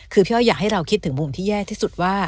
คือพี่อ้อยอยากให้เราคิดถึงมุมที่แย่ที่สุดว่า